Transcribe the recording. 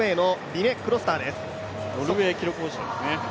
ノルウェー記録保持者ですね。